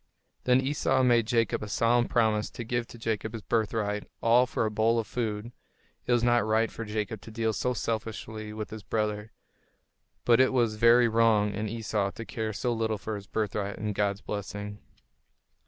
Then Esau made Jacob a solemn promise to give to Jacob his birthright, all for a bowl of food. It was not right for Jacob to deal so selfishly with his brother; but it was very wrong in Esau to care so little for his birthright and God's blessing.